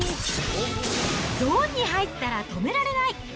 ゾーンに入ったら止められない！